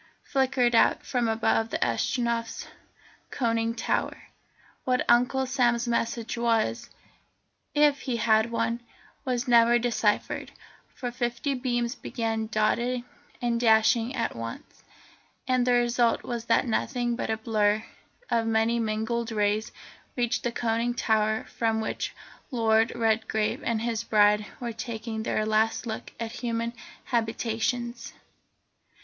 flickered out from above the Astronef's conning tower. What Uncle Sam's message was, if he had one, was never deciphered, for fifty beams began dotting and dashing at once, and the result was that nothing but a blur of many mingled rays reached the conning tower from which Lord Redgrave and his bride were taking their last look at human habitations.